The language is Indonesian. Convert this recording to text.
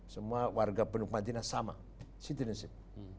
semua warga penduduk madinah sama situnasib